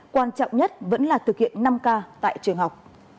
quan trọng nhất vẫn là thực hiện năm k tại trường học